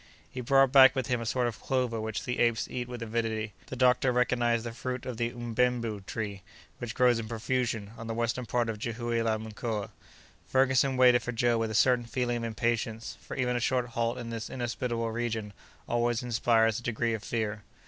He brought back with him a sort of clover which the apes eat with avidity. The doctor recognized the fruit of the "mbenbu"—tree which grows in profusion, on the western part of Jihoue la Mkoa. Ferguson waited for Joe with a certain feeling of impatience, for even a short halt in this inhospitable region always inspires a degree of fear.